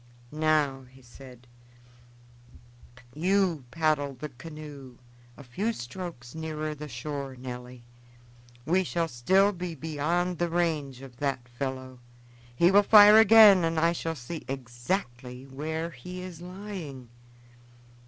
"Now," he said, "do you paddle the canoe a few strokes nearer the shore, Nelly. We shall still be beyond the range of that fellow. He will fire again and I shall see exactly where he is lying."